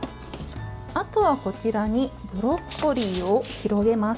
あとは、こちらにブロッコリーを広げます。